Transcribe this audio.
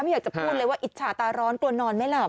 อยากจะพูดเลยว่าอิจฉาตาร้อนกลัวนอนไม่หลับ